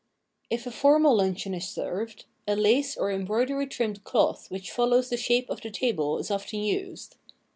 If a formal luncheon is served, a lace or em broidery trimmed cloth which follows the shape of the table is often used.